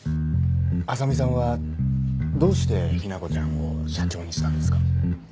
浅海さんはどうして雛子ちゃんを社長にしたんですか？